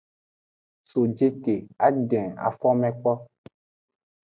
So jete a den afome kpo.